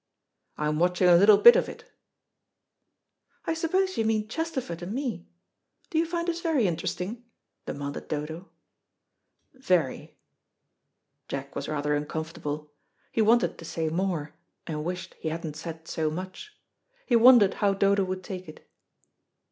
"I'm watching a little bit of it." "I suppose you mean Chesterford and me. Do you find us very interesting?" demanded Dodo. "Very." Jack was rather uncomfortable. He wanted to say more, and wished he hadn't said so much. He wondered how Dodo would take it.